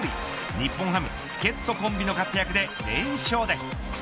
日本ハム、助っ人コンビの活躍で連勝です。